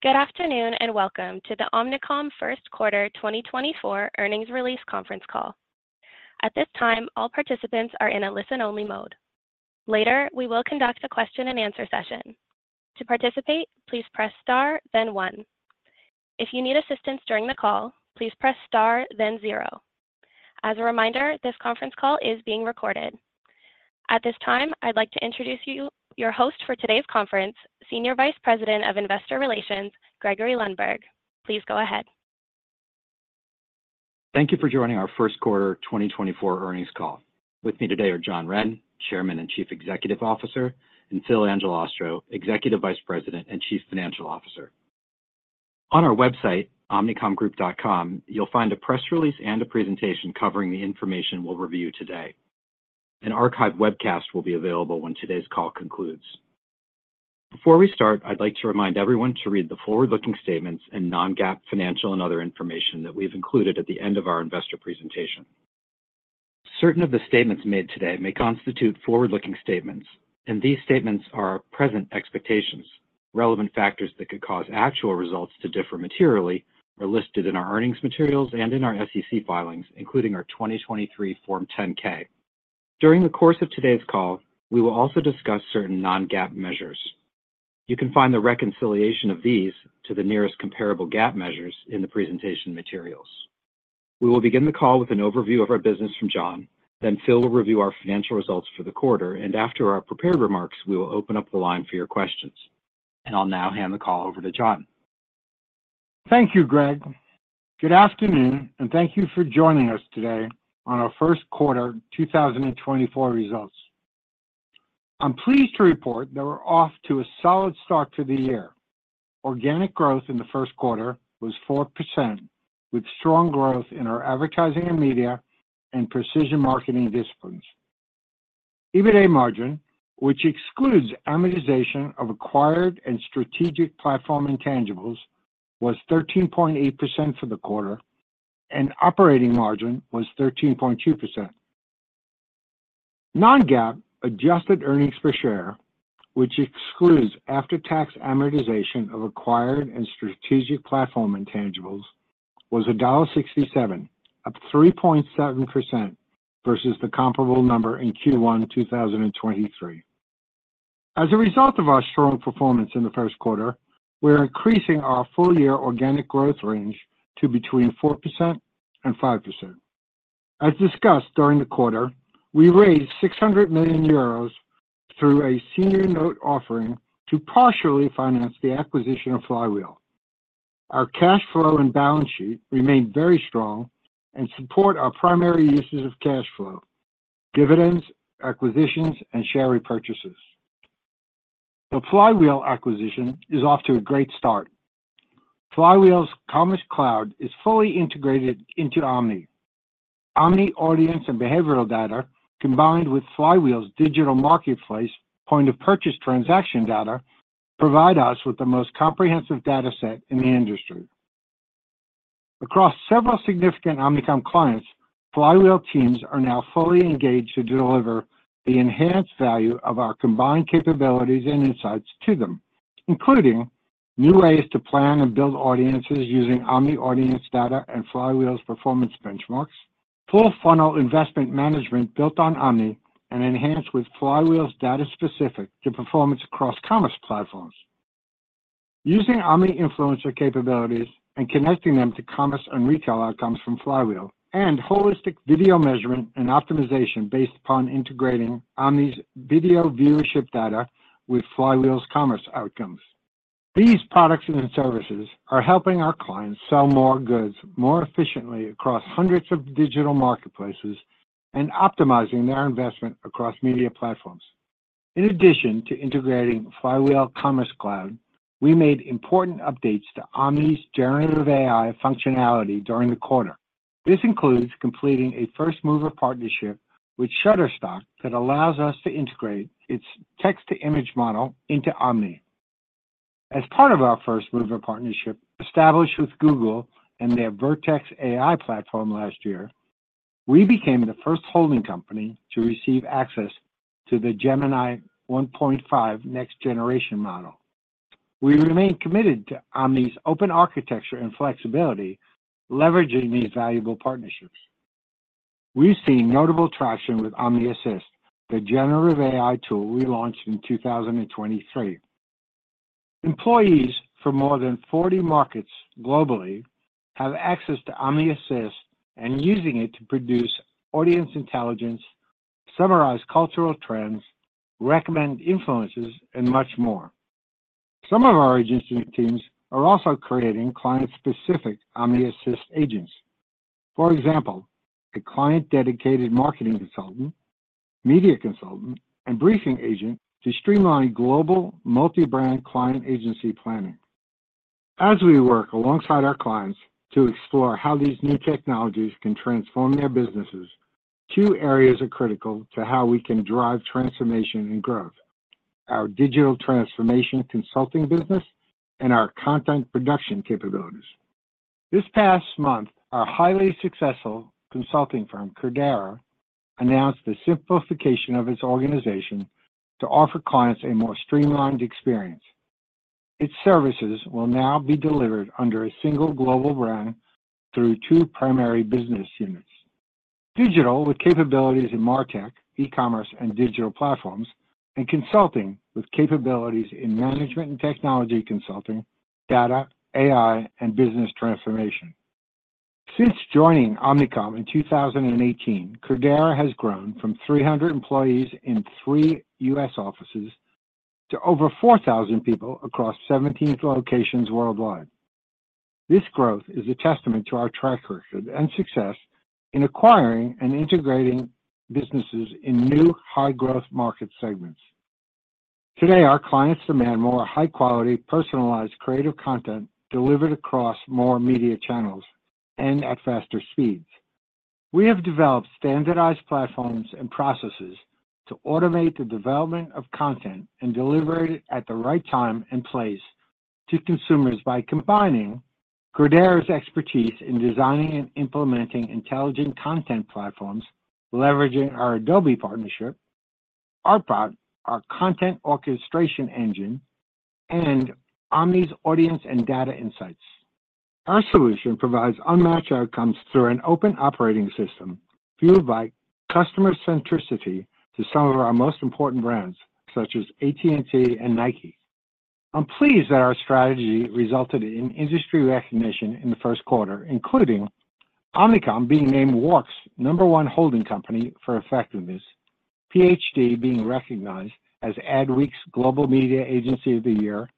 Good afternoon, and welcome to the Omnicom First Quarter 2024 Earnings Release Conference Call. At this time, all participants are in a listen-only mode. Later, we will conduct a question-and-answer session. To participate, please press star, then One. If you need assistance during the call, please press star, then Zero. As a reminder, this conference call is being recorded. At this time, I'd like to introduce you, your host for today's conference, Senior Vice President of Investor Relations, Gregory Lundberg. Please go ahead. Thank you for joining our first quarter 2024 earnings call. With me today are John Wren, Chairman and Chief Executive Officer, and Philip Angelastro, Executive Vice President and Chief Financial Officer. On our website, omnicomgroup.com, you'll find a press release and a presentation covering the information we'll review today. An archive webcast will be available when today's call concludes. Before we start, I'd like to remind everyone to read the forward-looking statements and non-GAAP financial and other information that we've included at the end of our investor presentation. Certain of the statements made today may constitute forward-looking statements, and these statements are our present expectations. Relevant factors that could cause actual results to differ materially are listed in our earnings materials and in our SEC filings, including our 2023 Form 10-K. During the course of today's call, we will also discuss certain non-GAAP measures. You can find the reconciliation of these to the nearest comparable GAAP measures in the presentation materials. We will begin the call with an overview of our business from John, then Philip will review our financial results for the quarter, and after our prepared remarks, we will open up the line for your questions. I'll now hand the call over to John. Thank you, Greg. Good afternoon, and thank you for joining us today on our first quarter 2024 results. I'm pleased to report that we're off to a solid start to the year. Organic growth in the first quarter was 4%, with strong growth in our advertising and media and precision marketing disciplines. EBITDA margin, which excludes amortization of acquired and strategic platform intangibles, was 13.8% for the quarter, and operating margin was 13.2%. Non-GAAP adjusted earnings per share, which excludes after-tax amortization of acquired and strategic platform intangibles, was $1.67, up 3.7% versus the comparable number in Q1 2023. As a result of our strong performance in the first quarter, we are increasing our full-year organic growth range to between 4% and 5%. As discussed during the quarter, we raised 600 million euros through a senior note offering to partially finance the acquisition of Flywheel. Our cash flow and balance sheet remain very strong and support our primary uses of cash flow, dividends, acquisitions, and share repurchases. The Flywheel acquisition is off to a great start. Flywheel's Commerce Cloud is fully integrated into Omni. Omni audience and behavioral data, combined with Flywheel's digital marketplace point-of-purchase transaction data, provide us with the most comprehensive data set in the industry. Across several significant Omnicom clients, Flywheel teams are now fully engaged to deliver the enhanced value of our combined capabilities and insights to them, including new ways to plan and build audiences using Omni audience data and Flywheel's performance benchmarks, full-funnel investment management built on Omni and enhanced with Flywheel's data specific to performance across commerce platforms. Using Omni influencer capabilities and connecting them to commerce and retail outcomes from Flywheel, and holistic video measurement and optimization based upon integrating Omni's video viewership data with Flywheel's commerce outcomes. These products and services are helping our clients sell more goods more efficiently across hundreds of digital marketplaces and optimizing their investment across media platforms. In addition to integrating Flywheel Commerce Cloud, we made important updates to Omni's generative AI functionality during the quarter. This includes completing a first-mover partnership with Shutterstock that allows us to integrate its text-to-image model into Omni. As part of our first-mover partnership established with Google and their Vertex AI platform last year, we became the first holding company to receive access to the Gemini 1.5 next-generation model. We remain committed to Omni's open architecture and flexibility, leveraging these valuable partnerships. We've seen notable traction with Omni Assist, the generative AI tool we launched in 2023. Employees from more than 40 markets globally have access to Omni Assist and using it to produce audience intelligence, summarize cultural trends, recommend influences, and much more. Some of our agency teams are also creating client-specific Omni Assist agents. For example, a client-dedicated marketing consultant, media consultant, and briefing agent to streamline global multi-brand client agency planning. As we work alongside our clients to explore how these new technologies can transform their businesses, two areas are critical to how we can drive transformation and growth: our digital transformation consulting business and our content production capabilities.... This past month, our highly successful consulting firm, Credera, announced the simplification of its organization to offer clients a more streamlined experience. Its services will now be delivered under a single global brand through two primary business units: Digital, with capabilities in MarTech, e-commerce, and digital platforms, and Consulting, with capabilities in management and technology consulting, data, AI, and business transformation. Since joining Omnicom in 2018, Credera has grown from 300 employees in 3 U.S. offices to over 4,000 people across 17 locations worldwide. This growth is a testament to our track record and success in acquiring and integrating businesses in new, high-growth market segments. Today, our clients demand more high-quality, personalized, creative content delivered across more media channels and at faster speeds. We have developed standardized platforms and processes to automate the development of content and deliver it at the right time and place to consumers by combining Credera's expertise in designing and implementing intelligent content platforms, leveraging our Adobe partnership, ArtBot, our content orchestration engine, and Omni's audience and data insights. Our solution provides unmatched outcomes through an open operating system fueled by customer centricity to some of our most important brands, such as AT&T and Nike. I'm pleased that our strategy resulted in industry recognition in the first quarter, including Omnicom being named WARC's number one holding company for effectiveness, PHD being recognized as Adweek's Global Media Agency of the Year,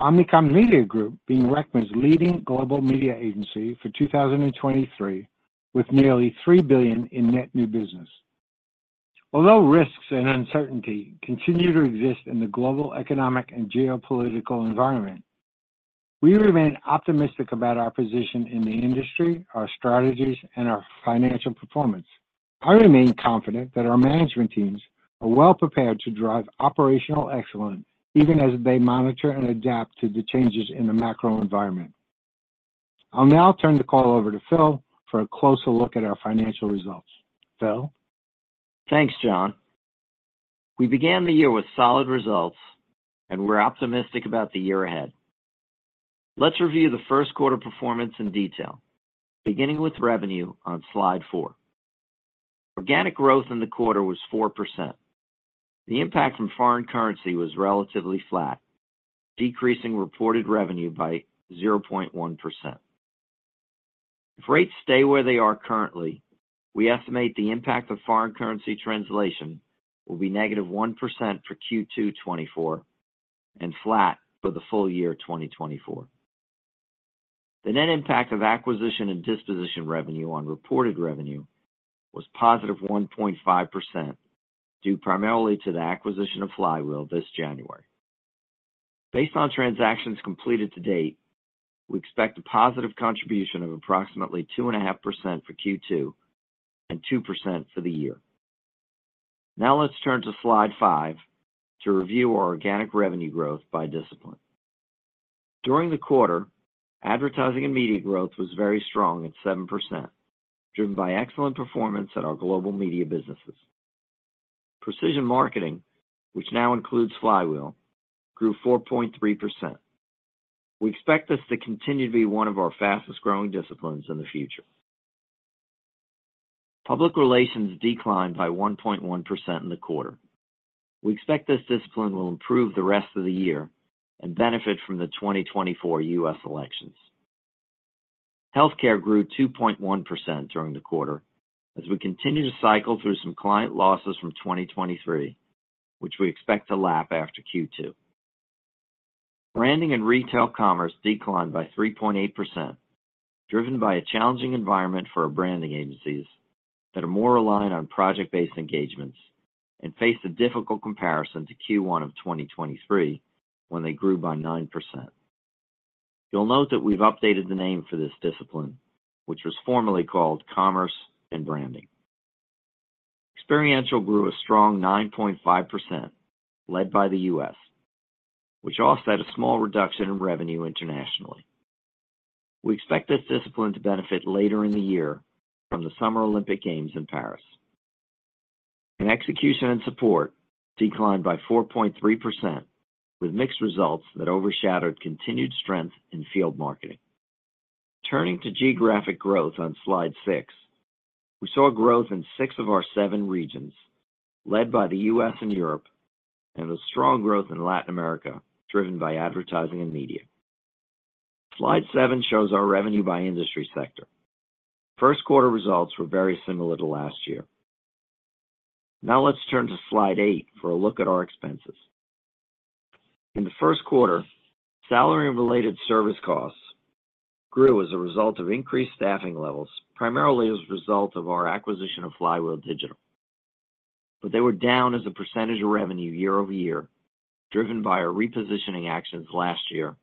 Omnicom Media Group being recognized as leading global media agency for 2023, with nearly $3 billion in net new business. Although risks and uncertainty continue to exist in the global economic and geopolitical environment, we remain optimistic about our position in the industry, our strategies, and our financial performance. I remain confident that our management teams are well prepared to drive operational excellence, even as they monitor and adapt to the changes in the macro environment. I'll now turn the call over to Philip for a closer look at our financial results. Philip? Thanks, John. We began the year with solid results, and we're optimistic about the year ahead. Let's review the first quarter performance in detail, beginning with revenue on slide 4. Organic growth in the quarter was 4%. The impact from foreign currency was relatively flat, decreasing reported revenue by 0.1%. If rates stay where they are currently, we estimate the impact of foreign currency translation will be -1% for Q2 2024 and flat for the full year 2024. The net impact of acquisition and disposition revenue on reported revenue was +1.5%, due primarily to the acquisition of Flywheel this January. Based on transactions completed to date, we expect a positive contribution of approximately 2.5% for Q2, and 2% for the year. Now let's turn to slide 5 to review our organic revenue growth by discipline. During the quarter, advertising and media growth was very strong at 7%, driven by excellent performance at our global media businesses. Precision marketing, which now includes Flywheel, grew 4.3%. We expect this to continue to be one of our fastest-growing disciplines in the future. Public relations declined by 1.1% in the quarter. We expect this discipline will improve the rest of the year and benefit from the 2024 U.S. elections. Healthcare grew 2.1% during the quarter as we continue to cycle through some client losses from 2023, which we expect to lap after Q2. Branding and Retail Commerce declined by 3.8%, driven by a challenging environment for our branding agencies that are more reliant on project-based engagements and face a difficult comparison to Q1 of 2023, when they grew by 9%. You'll note that we've updated the name for this discipline, which was formerly called Commerce and Branding. Experiential grew a strong 9.5%, led by the U.S., which offset a small reduction in revenue internationally. We expect this discipline to benefit later in the year from the Summer Olympic Games in Paris. Execution and support declined by 4.3%, with mixed results that overshadowed continued strength in field marketing. Turning to geographic growth on Slide 6, we saw growth in six of our seven regions, led by the U.S. and Europe, and with strong growth in Latin America, driven by advertising and media. Slide 7 shows our revenue by industry sector. First quarter results were very similar to last year. Now, let's turn to Slide 8 for a look at our expenses. In the first quarter, salary and related service costs grew as a result of increased staffing levels, primarily as a result of our acquisition of Flywheel Digital. But they were down as a percentage of revenue year-over-year, driven by our repositioning actions last year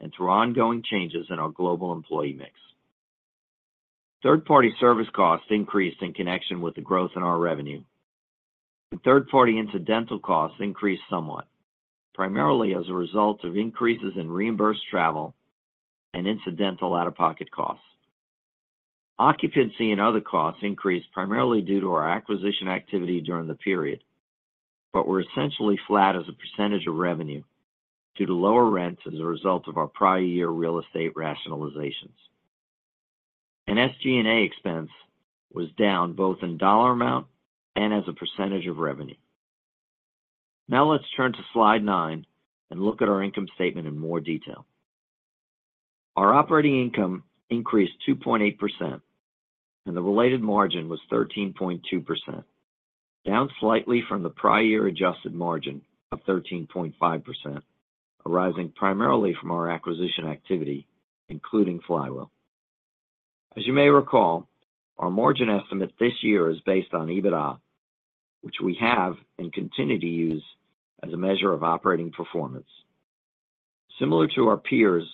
and through ongoing changes in our global employee mix. Third-party service costs increased in connection with the growth in our revenue. The third-party incidental costs increased somewhat, primarily as a result of increases in reimbursed travel and incidental out-of-pocket costs. Occupancy and other costs increased primarily due to our acquisition activity during the period, but were essentially flat as a percentage of revenue due to lower rents as a result of our prior year real estate rationalizations. SG&A expense was down both in dollar amount and as a percentage of revenue. Now let's turn to Slide 9 and look at our income statement in more detail. Our operating income increased 2.8%, and the related margin was 13.2%, down slightly from the prior year adjusted margin of 13.5%, arising primarily from our acquisition activity, including Flywheel. As you may recall, our margin estimate this year is based on EBITDA, which we have and continue to use as a measure of operating performance. Similar to our peers,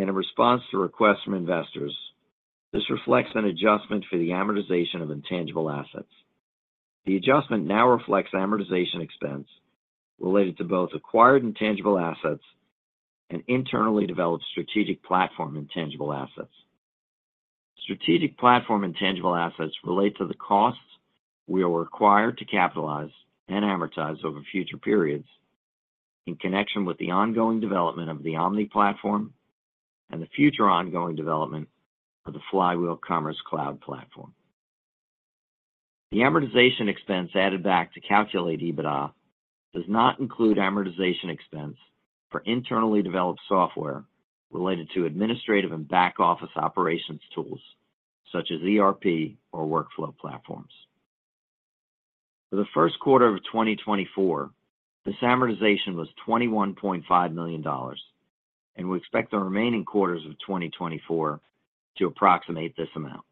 and in response to requests from investors, this reflects an adjustment for the amortization of intangible assets. The adjustment now reflects amortization expense related to both acquired intangible assets and internally developed strategic platform intangible assets. Strategic platform intangible assets relate to the costs we are required to capitalize and amortize over future periods in connection with the ongoing development of the Omni platform and the future ongoing development of the Flywheel Commerce Cloud platform. The amortization expense added back to calculate EBITDA does not include amortization expense for internally developed software related to administrative and back-office operations tools such as ERP or workflow platforms. For the first quarter of 2024, this amortization was $21.5 million, and we expect the remaining quarters of 2024 to approximate this amount.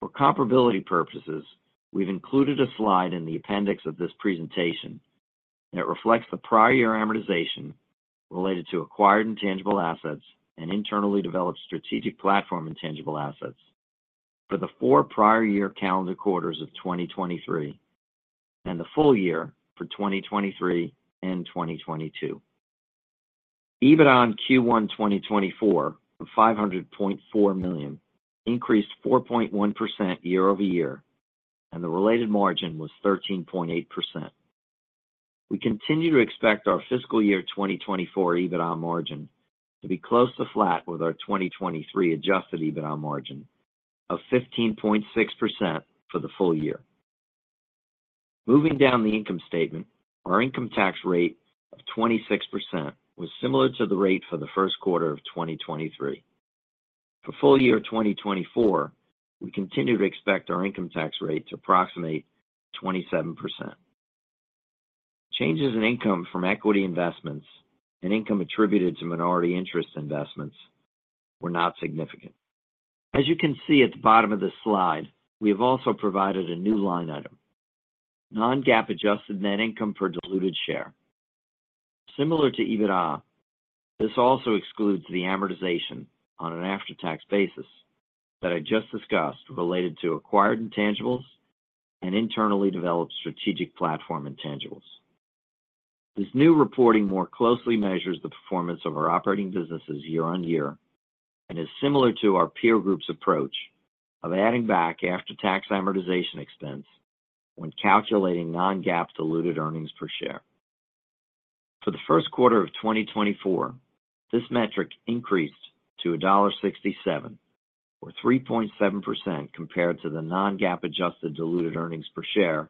For comparability purposes, we've included a slide in the appendix of this presentation, and it reflects the prior-year amortization related to acquired intangible assets and internally developed strategic platform intangible assets for the four prior-year calendar quarters of 2023 and the full year for 2023 and 2022. EBITDA in Q1 2024 of $500.4 million increased 4.1% year-over-year, and the related margin was 13.8%. We continue to expect our fiscal year 2024 EBITDA margin to be close to flat with our 2023 adjusted EBITDA margin of 15.6% for the full year. Moving down the income statement, our income tax rate of 26% was similar to the rate for the first quarter of 2023. For full year 2024, we continue to expect our income tax rate to approximate 27%. Changes in income from equity investments and income attributed to minority interest investments were not significant. As you can see at the bottom of this slide, we have also provided a new line item, non-GAAP adjusted net income per diluted share. Similar to EBITDA, this also excludes the amortization on an after-tax basis that I just discussed, related to acquired intangibles and internally developed strategic platform intangibles. This new reporting more closely measures the performance of our operating businesses year-on-year and is similar to our peer group's approach of adding back after-tax amortization expense when calculating non-GAAP diluted earnings per share. For the first quarter of 2024, this metric increased to $1.67, or 3.7% compared to the non-GAAP adjusted diluted earnings per share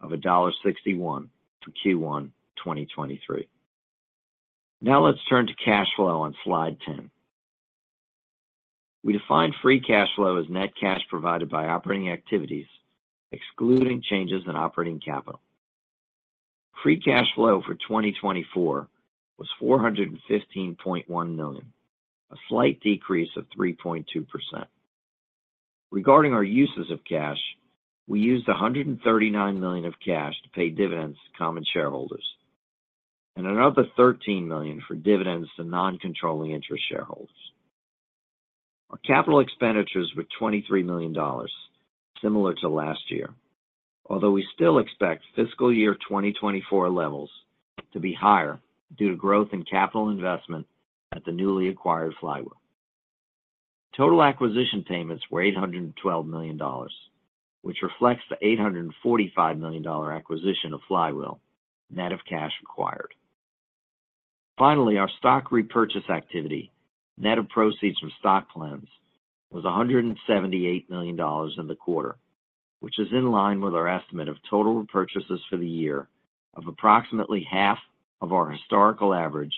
of $1.61 for Q1 2023. Now let's turn to cash flow on Slide 10. We define free cash flow as net cash provided by operating activities, excluding changes in operating capital. Free cash flow for 2024 was $415.1 million, a slight decrease of 3.2%. Regarding our uses of cash, we used $139 million of cash to pay dividends to common shareholders and another $13 million for dividends to non-controlling interest shareholders. Our capital expenditures were $23 million, similar to last year, although we still expect fiscal year 2024 levels to be higher due to growth in capital investment at the newly acquired Flywheel. Total acquisition payments were $812 million, which reflects the $845 million acquisition of Flywheel, net of cash required. Finally, our stock repurchase activity, net of proceeds from stock plans, was $178 million in the quarter, which is in line with our estimate of total repurchases for the year of approximately half of our historical average,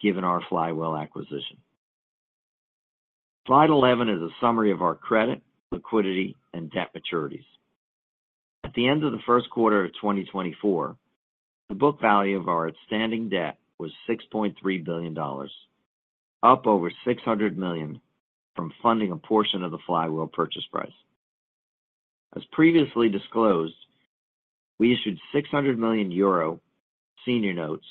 given our Flywheel acquisition. Slide 11 is a summary of our credit, liquidity, and debt maturities. At the end of the first quarter of 2024, the book value of our outstanding debt was $6.3 billion, up over $600 million from funding a portion of the Flywheel purchase price. As previously disclosed, we issued 600 million euro senior notes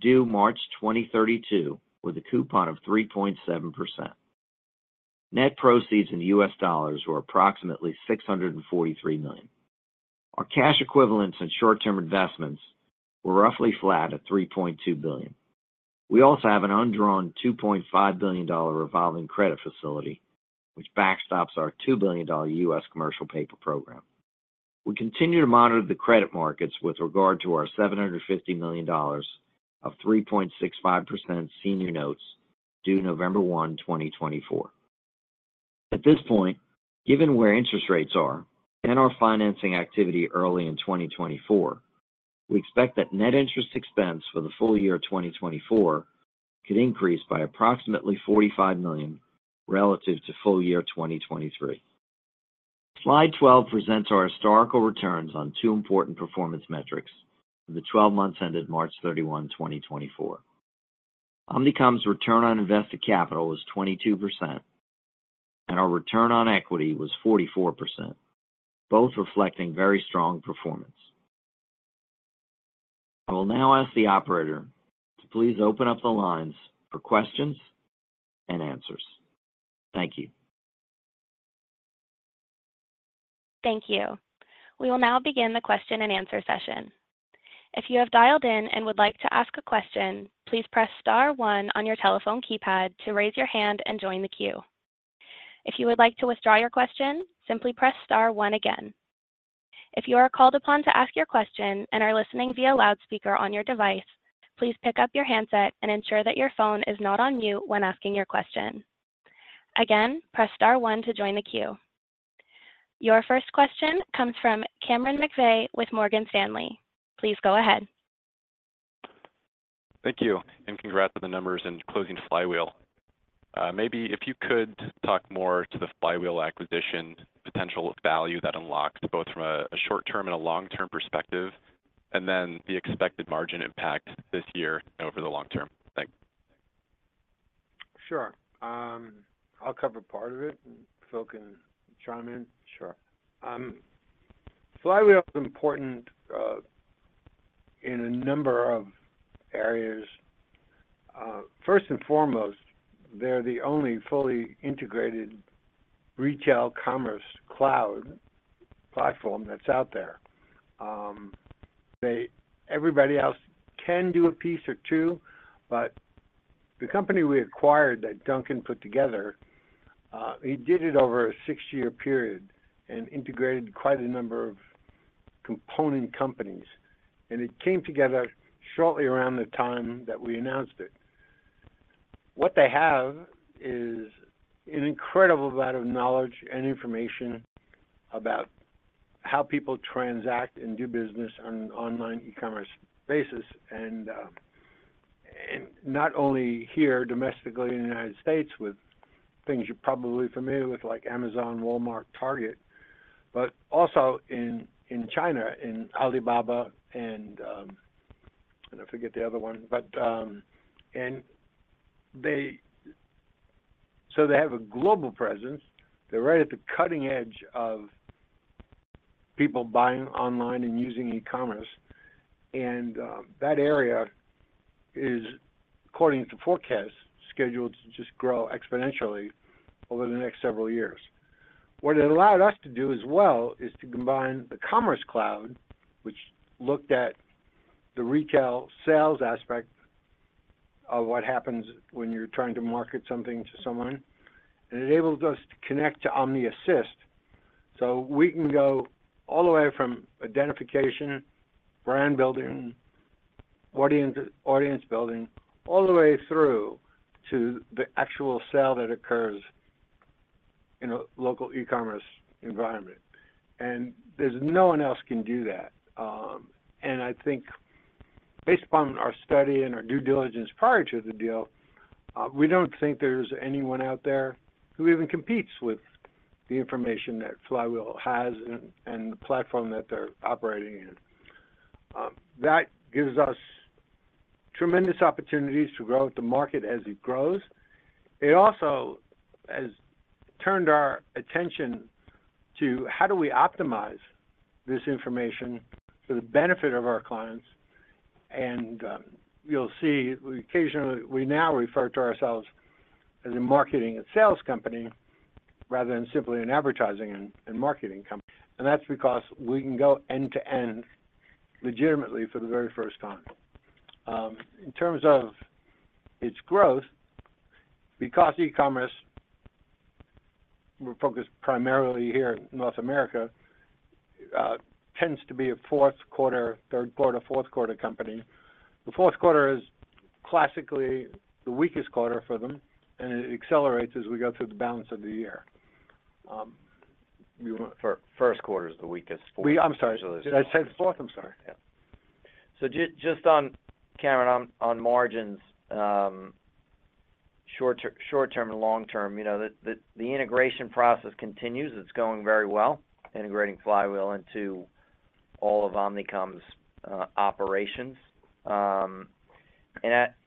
due March 2032, with a coupon of 3.7%. Net proceeds in US dollars were approximately $643 million. Our cash equivalents and short-term investments were roughly flat at $3.2 billion. We also have an undrawn $2.5 billion dollar revolving credit facility, which backstops our $2 billion dollar US commercial paper program. We continue to monitor the credit markets with regard to our $750 million of 3.65% senior notes due November 1, 2024. At this point, given where interest rates are and our financing activity early in 2024, we expect that net interest expense for the full year of 2024 could increase by approximately $45 million relative to full year 2023. Slide 12 presents our historical returns on two important performance metrics for the twelve months ended March 31, 2024. Omnicom's return on invested capital was 22%, and our return on equity was 44%, both reflecting very strong performance. I will now ask the operator to please open up the lines for questions and answers. Thank you. Thank you. We will now begin the question-and-answer session. If you have dialed in and would like to ask a question, please press star one on your telephone keypad to raise your hand and join the queue. If you would like to withdraw your question, simply press star one again. If you are called upon to ask your question and are listening via loudspeaker on your device, please pick up your handset and ensure that your phone is not on mute when asking your question. Again, press star one to join the queue. Your first question comes from Cameron McVeigh with Morgan Stanley. Please go ahead. Thank you, and congrats on the numbers and closing Flywheel. Maybe if you could talk more to the Flywheel acquisition, potential value that unlocks both from a short-term and a long-term perspective, and then the expected margin impact this year and over the long term. Thanks. Sure. I'll cover part of it, and Philip can chime in. Sure. Flywheel is important in a number of areas. First and foremost, they're the only fully integrated retail commerce cloud platform that's out there. Everybody else can do a piece or two, but the company we acquired, that Duncan put together, he did it over a six-year period and integrated quite a number of component companies, and it came together shortly around the time that we announced it. What they have is an incredible amount of knowledge and information about how people transact and do business on an online e-commerce basis, and not only here domestically in the United States with things you're probably familiar with, like Amazon, Walmart, Target, but also in China, in Alibaba and I forget the other one. But, so they have a global presence. They're right at the cutting edge of people buying online and using e-commerce, and that area is, according to forecasts, scheduled to just grow exponentially over the next several years. What it allowed us to do as well is to combine the commerce cloud, which looked at the retail sales aspect of what happens when you're trying to market something to someone. It enables us to connect to Omni Assist, so we can go all the way from identification, brand building, audience, audience building, all the way through to the actual sale that occurs in a local e-commerce environment. And there's no one else can do that, and I think based upon our study and our due diligence prior to the deal, we don't think there's anyone out there who even competes with the information that Flywheel has and the platform that they're operating in. That gives us tremendous opportunities to grow with the market as it grows. It also has turned our attention to how do we optimize this information for the benefit of our clients, and you'll see occasionally, we now refer to ourselves as a marketing and sales company, rather than simply an advertising and marketing company. And that's because we can go end-to-end legitimately for the very first time. In terms of its growth, because e-commerce, we're focused primarily here in North America, tends to be a fourth quarter, third quarter, fourth quarter company. The fourth quarter is classically the weakest quarter for them, and it accelerates as we go through the balance of the year. First quarter is the weakest. I'm sorry. Did I say the fourth? I'm sorry. Yeah. So just on, Cameron, on margins, short term and long term, you know, the integration process continues. It's going very well, integrating Flywheel into all of Omnicom's operations. And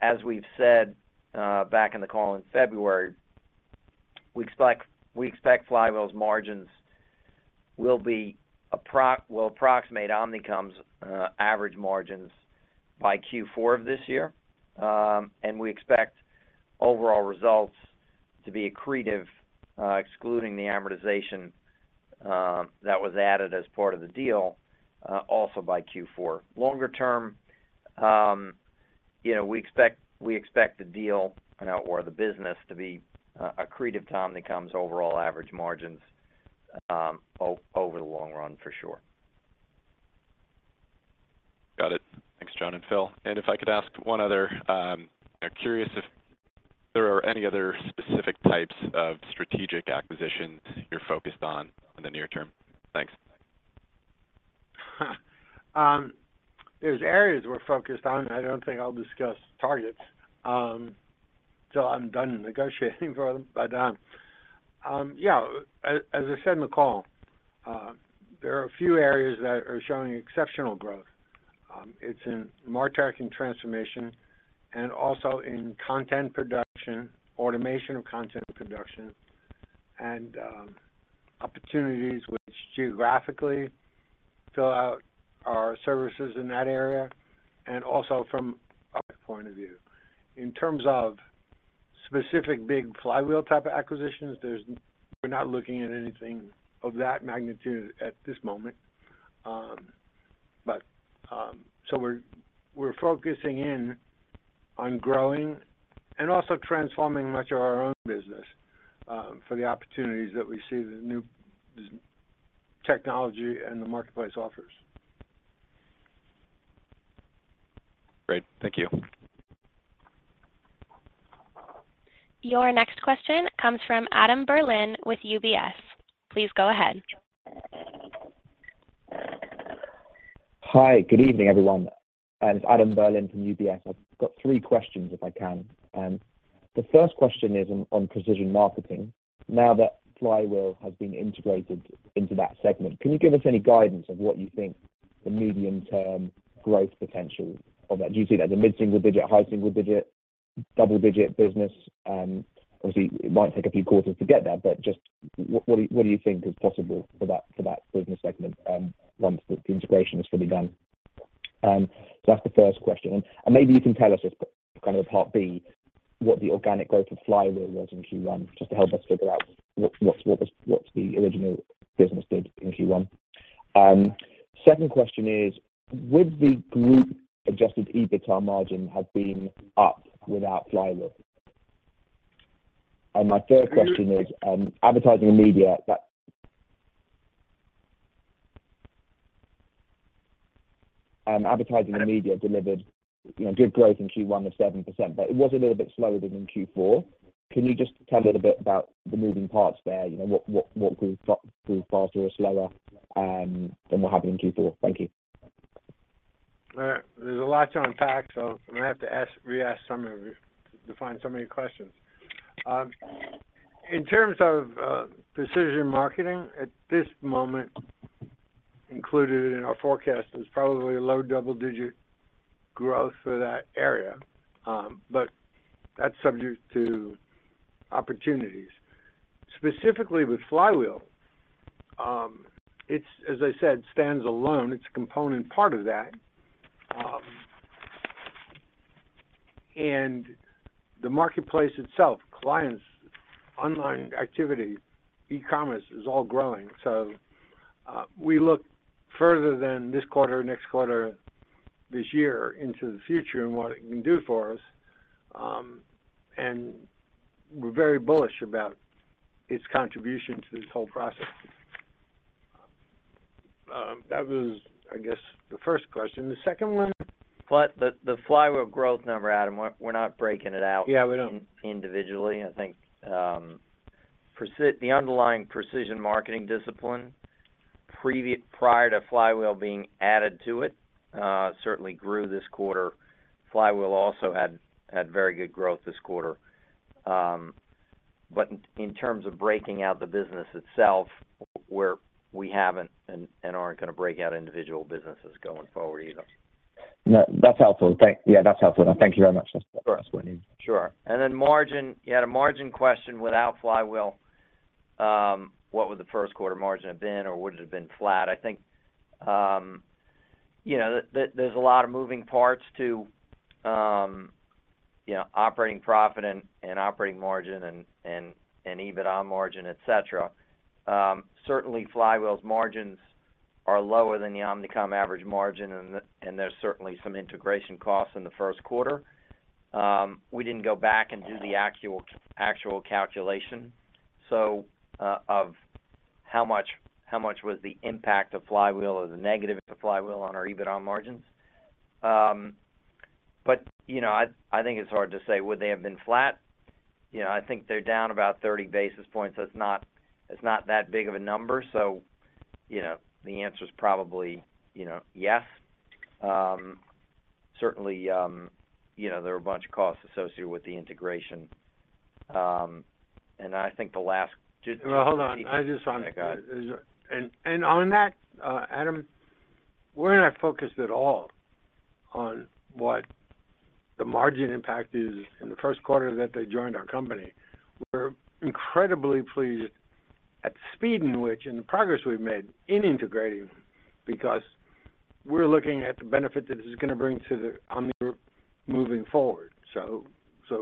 as we've said, back in the call in February, we expect Flywheel's margins will approximate Omnicom's average margins by Q4 of this year. And we expect overall results to be accretive, excluding the amortization that was added as part of the deal, also by Q4. Longer term, you know, we expect the deal and software business to be accretive to Omnicom's overall average margins, over the long run, for sure. Got it. Thanks, John and Philip. If I could ask one other, I'm curious if there are any other specific types of strategic acquisitions you're focused on in the near term? Thanks. There's areas we're focused on. I don't think I'll discuss targets till I'm done negotiating for them. But yeah, as I said in the call, there are a few areas that are showing exceptional growth. It's in marketing and transformation and also in content production, automation of content production, and opportunities which geographically fill out our services in that area, and also from our point of view. In terms of specific big Flywheel type acquisitions, we're not looking at anything of that magnitude at this moment. But so we're focusing in on growing and also transforming much of our own business for the opportunities that we see, the new technology and the marketplace offers. Great. Thank you. Your next question comes from Adam Berlin with UBS. Please go ahead. Hi, good evening, everyone. It's Adam Berlin from UBS. I've got three questions, if I can. The first question is on precision marketing. Now that Flywheel has been integrated into that segment, can you give us any guidance of what you think the medium-term growth potential of that? Do you see that as a mid-single digit, high single digit, double-digit business? Obviously, it might take a few quarters to get there, but just what do you think is possible for that business segment once the integration is fully done? So that's the first question. And maybe you can tell us as kind of a part B, what the organic growth of Flywheel was in Q1, just to help us figure out what the original business did in Q1. Second question is, would the group-adjusted EBITDA margin have been up without Flywheel? And my third question is, advertising and media delivered, you know, good growth in Q1 of 7%, but it was a little bit slower than in Q4. Can you just tell a little bit about the moving parts there? You know, what group faster or slower than what happened in Q4? Thank you. There's a lot to unpack, so I'm going to have to ask, reask some of your, define some of your questions. In terms of precision marketing, at this moment included in our forecast is probably a low double-digit growth for that area, but that's subject to opportunities. Specifically with Flywheel, it's, as I said, stands alone. It's a component part of that. And the marketplace itself, clients, online activity, e-commerce is all growing. So, we look further than this quarter, next quarter, this year into the future and what it can do for us. And we're very bullish about its contribution to this whole process. That was, I guess, the first question. The second one? But the Flywheel growth number, Adam, we're not breaking it out- Yeah, we don't. individually. I think, the underlying precision marketing discipline, prior to Flywheel being added to it, certainly grew this quarter. Flywheel also had very good growth this quarter. But in terms of breaking out the business itself, we haven't and aren't going to break out individual businesses going forward either. No, that's helpful. Yeah, that's helpful. Thank you very much. Sure. That's what I need. Sure. And then margin, you had a margin question without Flywheel, what would the first quarter margin have been, or would it have been flat? I think, you know, there, there's a lot of moving parts to, you know, operating profit and, and operating margin and, and, and EBITDA margin, et cetera. Certainly, Flywheel's margins are lower than the Omnicom average margin, and, and there's certainly some integration costs in the first quarter. We didn't go back and do the actual, actual calculation, so, of how much, how much was the impact of Flywheel or the negative of Flywheel on our EBITDA margins? But, you know, I, I think it's hard to say, would they have been flat? You know, I think they're down about 30 basis points, so it's not, it's not that big of a number. So, you know, the answer is probably, you know, yes. Certainly, you know, there are a bunch of costs associated with the integration. And I think the last- Well, hold on. I just want to- I got it. And on that, Adam, we're not focused at all on what the margin impact is in the first quarter that they joined our company. We're incredibly pleased at the speed in which and the progress we've made in integrating, because we're looking at the benefit that this is gonna bring to the Omnicom Group moving forward. So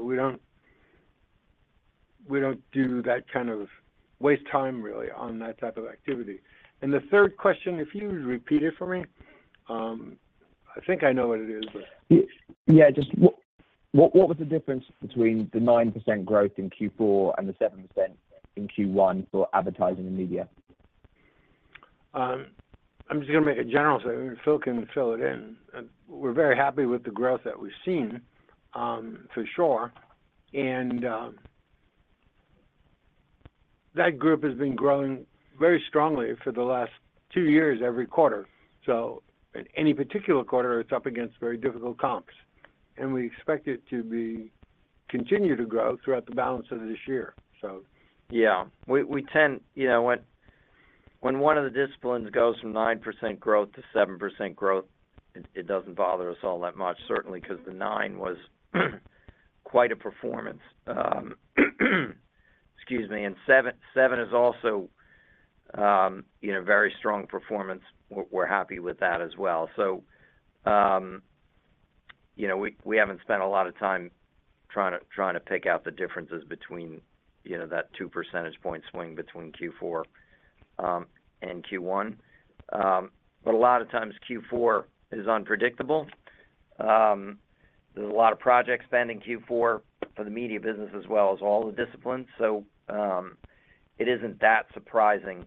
we don't, we don't do that kind of waste time, really, on that type of activity. And the third question, if you would repeat it for me? I think I know what it is, but. Yeah, just what was the difference between the 9% growth in Q4 and the 7% in Q1 for advertising and media? I'm just gonna make a general statement, and Philip can fill it in. We're very happy with the growth that we've seen, for sure. That group has been growing very strongly for the last two years, every quarter. So any particular quarter, it's up against very difficult comps, and we expect it to continue to grow throughout the balance of this year, so. Yeah. We tend. You know, when one of the disciplines goes from 9% growth to 7% growth, it doesn't bother us all that much, certainly, 'cause the nine was quite a performance. Excuse me, and seven is also, you know, very strong performance. We're happy with that as well. So, you know, we haven't spent a lot of time trying to pick out the differences between, you know, that two percentage point swing between Q4 and Q1. But a lot of times Q4 is unpredictable. There's a lot of project spend in Q4 for the media business as well as all the disciplines, so it isn't that surprising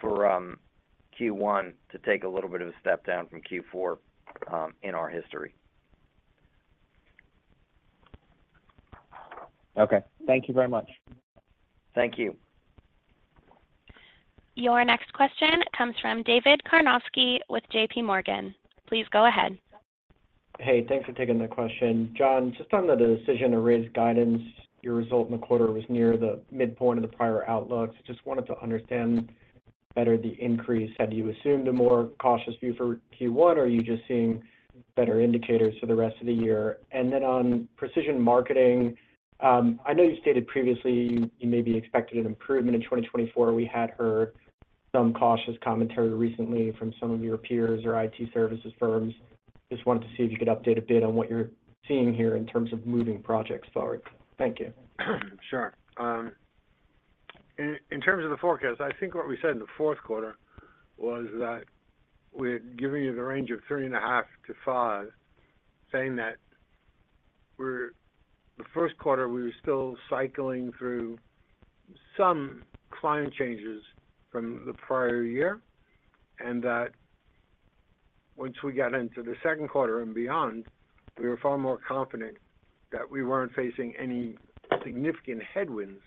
for Q1 to take a little bit of a step down from Q4 in our history. Okay. Thank you very much. Thank you. Your next question comes from David Karnofsky with J.P. Morgan. Please go ahead. Hey, thanks for taking the question. John, just on the decision to raise guidance, your result in the quarter was near the midpoint of the prior outlook. Just wanted to understand better the increase. Had you assumed a more cautious view for Q1, or are you just seeing better indicators for the rest of the year? And then on precision marketing, I know you stated previously you maybe expected an improvement in 2024. We had heard some cautious commentary recently from some of your peers or IT services firms. Just wanted to see if you could update a bit on what you're seeing here in terms of moving projects forward. Thank you. Sure. In terms of the forecast, I think what we said in the fourth quarter was that we're giving you the range of 3.5-5, saying that we're—the first quarter, we were still cycling through some client changes from the prior year, and that once we got into the second quarter and beyond, we were far more confident that we weren't facing any significant headwinds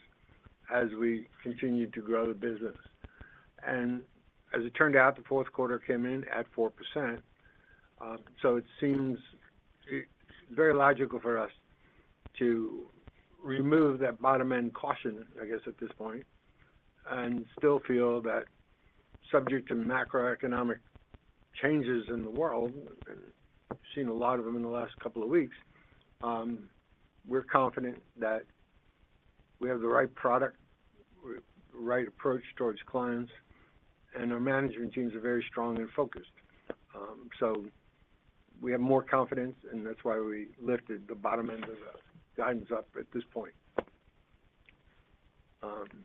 as we continued to grow the business. And as it turned out, the fourth quarter came in at 4%. So it seems very logical for us to remove that bottom-end caution, I guess, at this point, and still feel that subject to macroeconomic changes in the world, we've seen a lot of them in the last couple of weeks, we're confident that we have the right product, the right approach towards clients, and our management teams are very strong and focused. So we have more confidence, and that's why we lifted the bottom end of the guidance up at this point.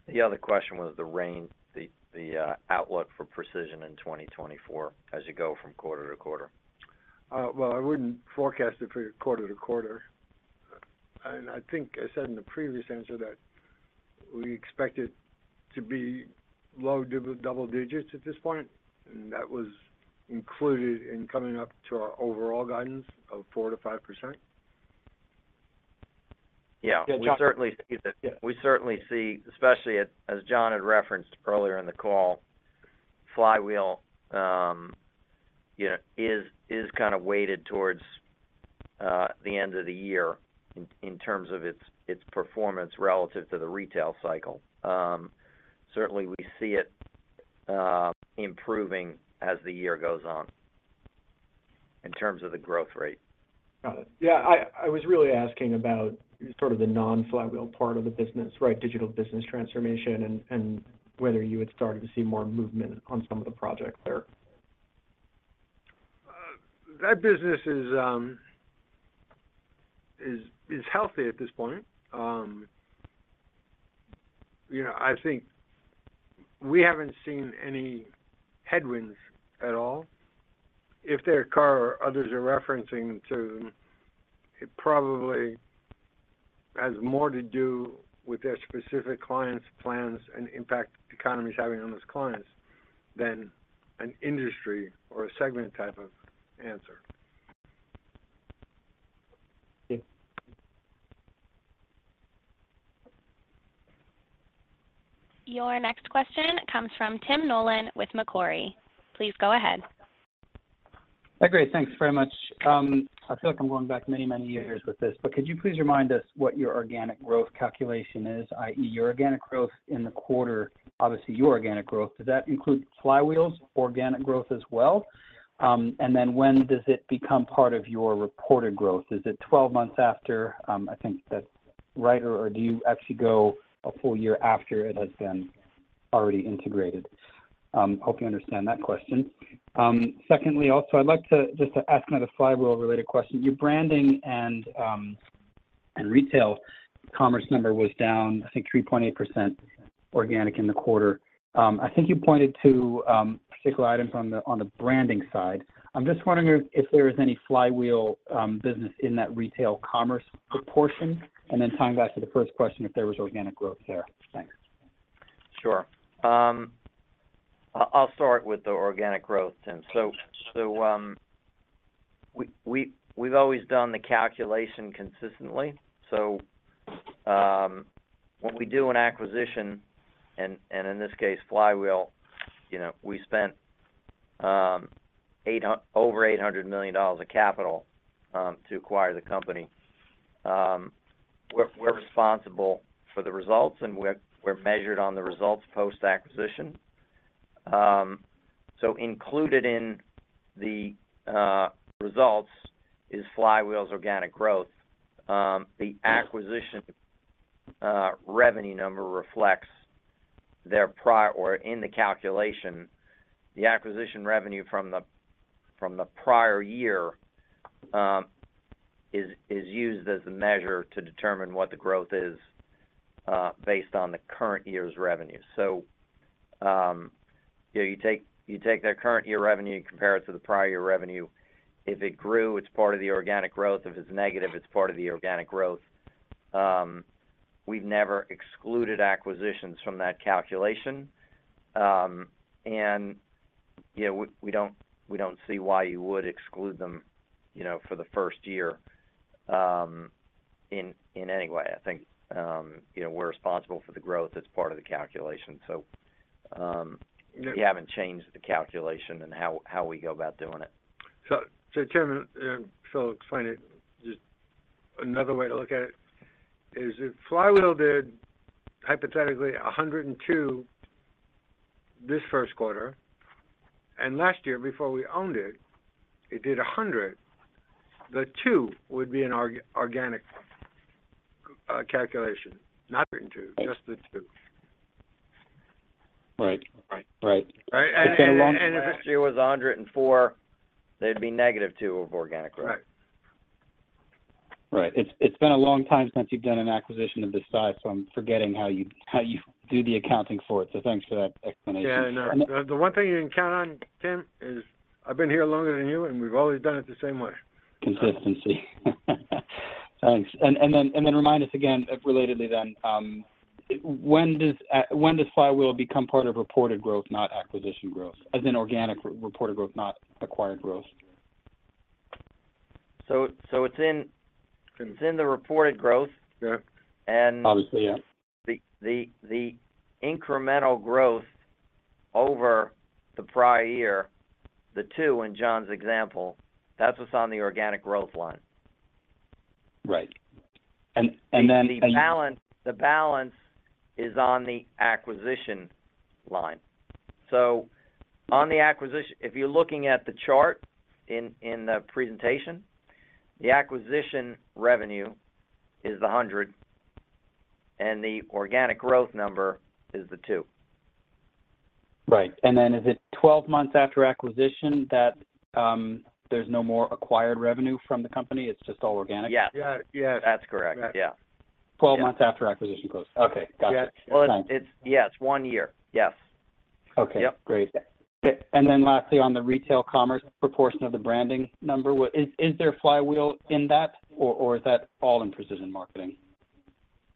The other question was the range, the outlook for precision in 2024 as you go from quarter-to-quarter. Well, I wouldn't forecast it for quarter-to-quarter. I think I said in the previous answer that we expect it to be low double digits at this point, and that was included in coming up to our overall guidance of 4%-5%. Yeah, we certainly- Yeah. We certainly see, especially as John had referenced earlier in the call, Flywheel, you know, is kind of weighted towards the end of the year in terms of its performance relative to the retail cycle. Certainly, we see it improving as the year goes on in terms of the growth rate. Got it. Yeah, I was really asking about sort of the non-Flywheel part of the business, right? Digital business transformation and whether you had started to see more movement on some of the projects there. That business is healthy at this point. You know, I think we haven't seen any headwinds at all. If there are, others are referencing to, it probably has more to do with their specific clients' plans and impact the economy is having on those clients than an industry or a segment type of answer. Yeah.... Your next question comes from Tim Nolan with Macquarie. Please go ahead. Hi, great. Thanks very much. I feel like I'm going back many, many years with this, but could you please remind us what your organic growth calculation is, i.e., your organic growth in the quarter? Obviously, your organic growth, does that include Flywheel's organic growth as well? And then when does it become part of your reported growth? Is it 12 months after, I think that's right, or, or do you actually go a full year after it has been already integrated? Hope you understand that question. Secondly, also, I'd like to just to ask another Flywheel-related question. Your branding and, and retail commerce number was down, I think, 3.8% organic in the quarter. I think you pointed to, particular items on the, on the branding side. I'm just wondering if there is any Flywheel business in that retail commerce proportion, and then tying back to the first question, if there was organic growth there? Thanks. Sure. I'll start with the organic growth, Tim. So, we've always done the calculation consistently. So, when we do an acquisition, and in this case, Flywheel, you know, we spent over $800 million of capital to acquire the company. We're responsible for the results, and we're measured on the results post-acquisition. So included in the results is Flywheel's organic growth. The acquisition revenue number reflects their prior... Or in the calculation, the acquisition revenue from the prior year is used as a measure to determine what the growth is based on the current year's revenue. So, you know, you take their current year revenue and compare it to the prior year revenue. If it grew, it's part of the organic growth. If it's negative, it's part of the organic growth. We've never excluded acquisitions from that calculation. You know, we don't see why you would exclude them, you know, for the first year, in any way. I think, you know, we're responsible for the growth. That's part of the calculation. We haven't changed the calculation and how we go about doing it. So, Tim, explain it. Just another way to look at it is if Flywheel did, hypothetically, 102 this first quarter, and last year, before we owned it, it did 100, the two would be an organic calculation. Not two, just the two. Right. Right. Right. Right, and if this year was 104, they'd be -2% organic growth. Right. Right. It's been a long time since you've done an acquisition of this size, so I'm forgetting how you do the accounting for it. Thanks for that explanation. Yeah, I know. The one thing you can count on, Tim, is I've been here longer than you, and we've always done it the same way. Consistency. Thanks. And then remind us again, relatedly then, when does Flywheel become part of reported growth, not acquisition growth, as in organic reported growth, not acquired growth? So, it's in the reported growth. Sure. And- Obviously, yeah... The incremental growth over the prior year, the two in John's example, that's what's on the organic growth line. Right. And then- The balance, the balance is on the acquisition line. So on the acquisition, if you're looking at the chart in the presentation, the acquisition revenue is the 100, and the organic growth number is the 2. Right. And then is it 12 months after acquisition that there's no more acquired revenue from the company? It's just all organic. Yes. Yeah, yeah. That's correct. Yeah. Yeah. 12 months after acquisition close. Okay, got it. Well, yeah, it's one year. Yes. Okay. Yep. Great. Then lastly, on the retail commerce proportion of the branding number, what is there Flywheel in that, or is that all in precision marketing?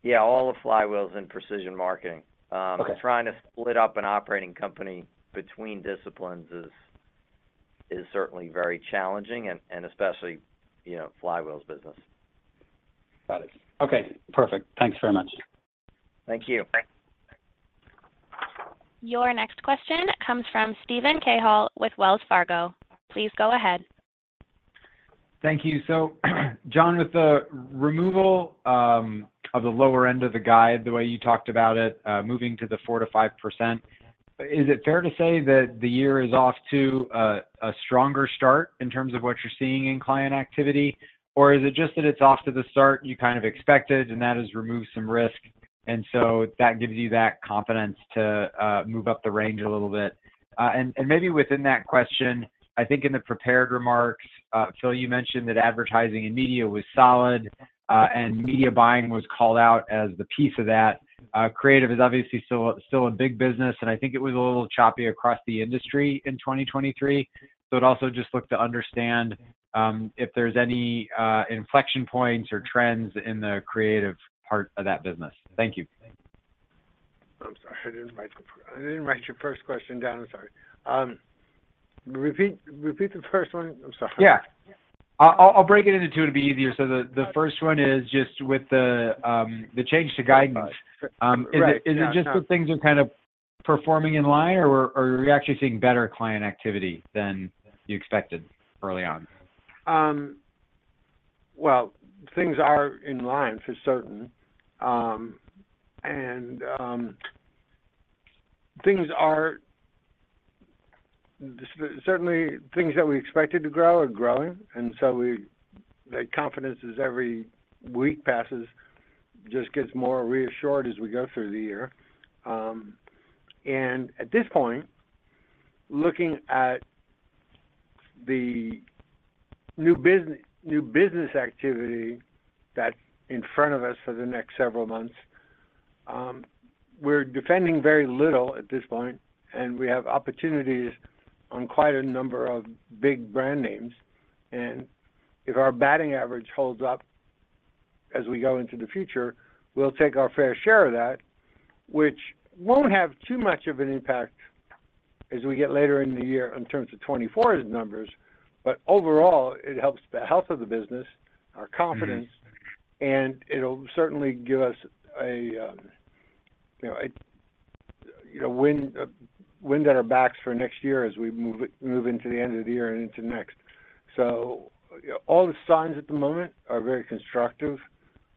Yeah, all of Flywheel's in precision marketing. Okay. Trying to split up an operating company between disciplines is certainly very challenging and especially, you know, Flywheel's business. Got it. Okay, perfect. Thanks very much. Thank you. Thanks. Your next question comes from Steven Cahall with Wells Fargo. Please go ahead. Thank you. So, John, with the removal of the lower end of the guide, the way you talked about it, moving to the 4%-5%, is it fair to say that the year is off to a stronger start in terms of what you're seeing in client activity? Or is it just that it's off to the start you kind of expected, and that has removed some risk, and so that gives you that confidence to move up the range a little bit? And maybe within that question, I think in the prepared remarks, Philip, you mentioned that advertising and media was solid, and media buying was called out as the piece of that. Creative is obviously still a big business, and I think it was a little choppy across the industry in 2023. I'd also just look to understand if there's any inflection points or trends in the creative part of that business? Thank you. I'm sorry, I didn't write your first question down. I'm sorry. Repeat the first one? I'm sorry. Yeah. I'll break it into two to be easier. So the first one is just with the change to guidance. Right. Yeah. Is it just that things are kind of performing in line, or are you actually seeing better client activity than you expected early on? Well, things are in line for certain. Certainly, things that we expected to grow are growing, and so the confidence as every week passes just gets more reassured as we go through the year. At this point, looking at the new business, new business activity that's in front of us for the next several months, we're defending very little at this point, and we have opportunities on quite a number of big brand names. If our batting average holds up as we go into the future, we'll take our fair share of that, which won't have too much of an impact as we get later in the year in terms of 2024's numbers. Overall, it helps the health of the business, our confidence- Mm-hmm. and it'll certainly give us a you know wind at our backs for next year as we move into the end of the year and into next. So, all the signs at the moment are very constructive,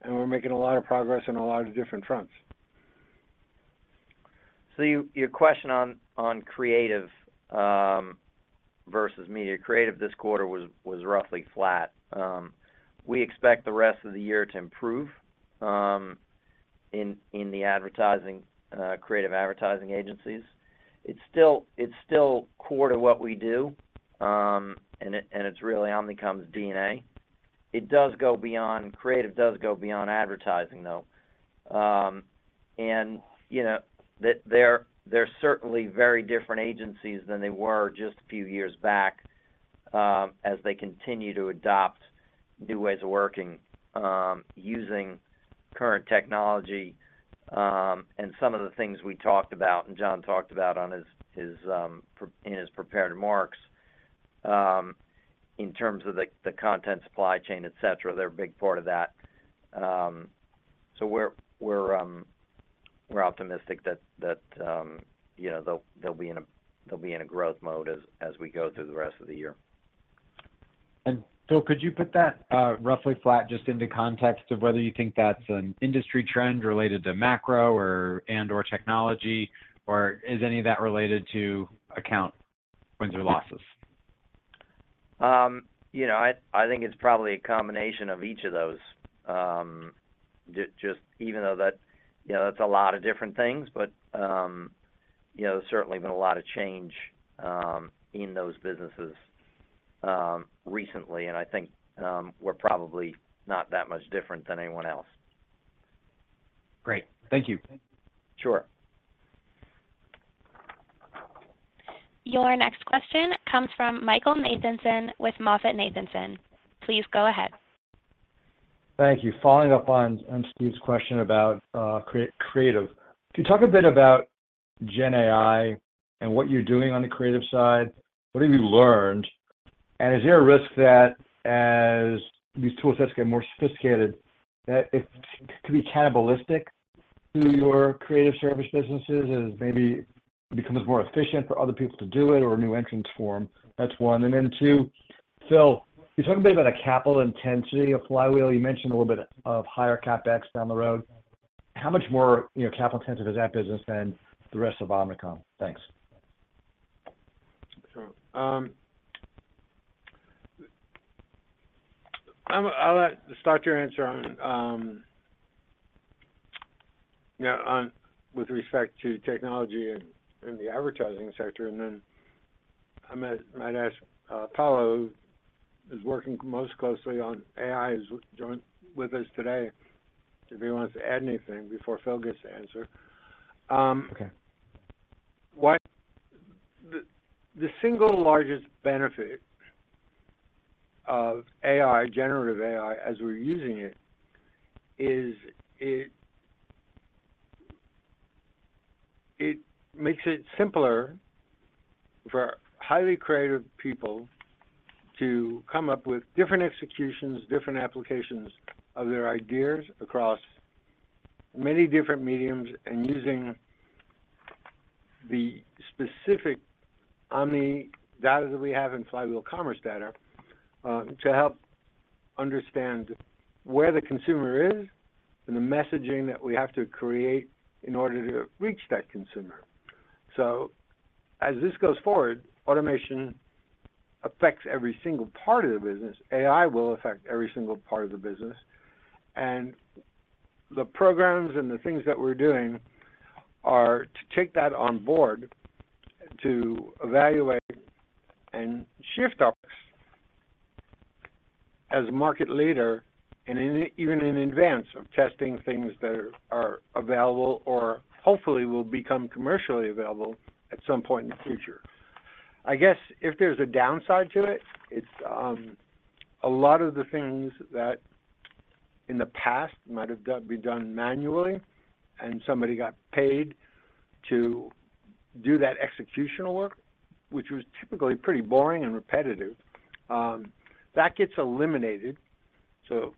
and we're making a lot of progress on a lot of different fronts. So your question on creative versus media. Creative this quarter was roughly flat. We expect the rest of the year to improve in the advertising creative advertising agencies. It's still core to what we do, and it's really Omnicom's DNA. It does go beyond creative, does go beyond advertising, though. You know, they're certainly very different agencies than they were just a few years back, as they continue to adopt new ways of working, using current technology, and some of the things we talked about and John talked about in his prepared remarks, in terms of the content supply chain, et cetera, they're a big part of that. So we're optimistic that, you know, they'll be in a growth mode as we go through the rest of the year. Philip, could you put that, roughly flat, just into context of whether you think that's an industry trend related to macro or, and/or technology, or is any of that related to account wins or losses? You know, I think it's probably a combination of each of those. Just even though that, you know, that's a lot of different things, but, you know, certainly been a lot of change in those businesses recently, and I think we're probably not that much different than anyone else. Great. Thank you. Sure. Your next question comes from Michael Nathanson with MoffettNathanson. Please go ahead. Thank you. Following up on Steve's question about creative. Can you talk a bit about Gen AI and what you're doing on the creative side? What have you learned? And is there a risk that as these toolsets get more sophisticated, that it could be cannibalistic to your creative service businesses and maybe becomes more efficient for other people to do it or new entrants form? That's one. And then two, Philip, can you talk a bit about the capital intensity of Flywheel? You mentioned a little bit of higher CapEx down the road. How much more, you know, capital intensive is that business than the rest of Omnicom? Thanks. Sure. I'll start your answer on, you know, on with respect to technology and the advertising sector, and then I might ask Paulo, who is working most closely on AI, is joined with us today, if he wants to add anything before Philip gets to answer. Okay. The single largest benefit of AI, generative AI, as we're using it, is it makes it simpler for highly creative people to come up with different executions, different applications of their ideas across many different mediums and using the specific Omni data that we have in Flywheel Commerce data to help understand where the consumer is and the messaging that we have to create in order to reach that consumer. So as this goes forward, automation affects every single part of the business. AI will affect every single part of the business. And the programs and the things that we're doing are to take that on board to evaluate and shift us as a market leader, and even in advance of testing things that are available or hopefully will become commercially available at some point in the future. I guess if there's a downside to it, it's a lot of the things that in the past might have been done manually, and somebody got paid to do that executional work, which was typically pretty boring and repetitive. That gets eliminated, so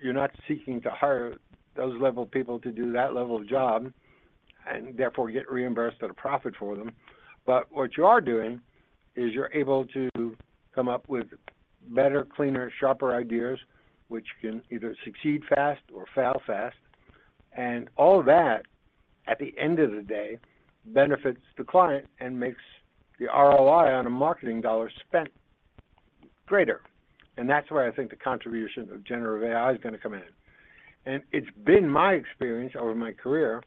you're not seeking to hire those level of people to do that level of job, and therefore get reimbursed at a profit for them. But what you are doing is you're able to come up with better, cleaner, sharper ideas, which can either succeed fast or fail fast. All of that, at the end of the day, benefits the client and makes the ROI on a marketing dollar spent greater. That's where I think the contribution of generative AI is gonna come in. It's been my experience over my career,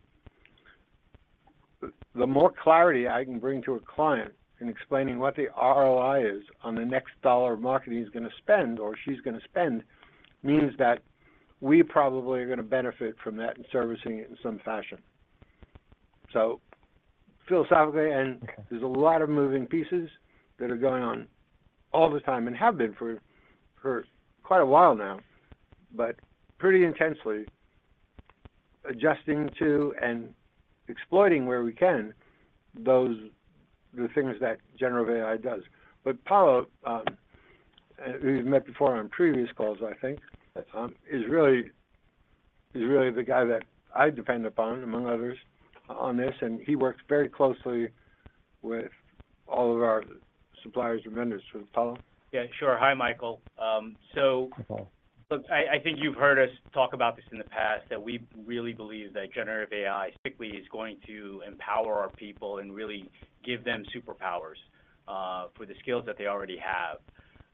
the more clarity I can bring to a client in explaining what the ROI is on the next dollar of marketing he's gonna spend, or she's gonna spend, means that we probably are gonna benefit from that in servicing it in some fashion. So philosophically, and there's a lot of moving pieces that are going on all the time, and have been for quite a while now, but pretty intensely adjusting to and exploiting where we can, those, the things that generative AI does. But Paolo, who you've met before on previous calls, I think, is really, is really the guy that I depend upon, among others, on this, and he works very closely with all of our suppliers and vendors. So, Paolo? Yeah, sure. Hi, Michael. So- Hi, Paulo. I think you've heard us talk about this in the past, that we really believe that generative AI strictly is going to empower our people and really give them superpowers for the skills that they already have.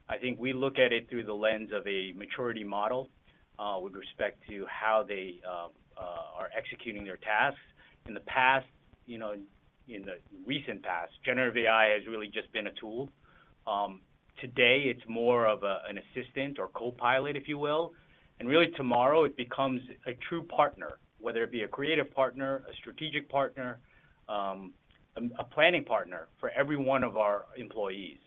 I think we look at it through the lens of a maturity model with respect to how they are executing their tasks. In the past, you know, in the recent past, generative AI has really just been a tool. Today, it's more of an assistant or copilot, if you will. And really, tomorrow, it becomes a true partner, whether it be a creative partner, a strategic partner, a planning partner for every one of our employees.